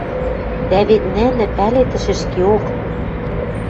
Дӓ вет нӹнӹ, пӓлетӹш ӹшкеок